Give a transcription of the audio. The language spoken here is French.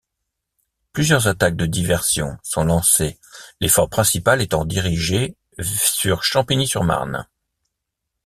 Plusieurs attaques de diversion sont lancées l'effort principal étant dirigée sur Champigny-sur-Marne.